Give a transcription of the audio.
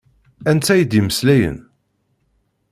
Anta i d-imeslayen?